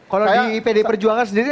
kalau di pd perjuangan sendiri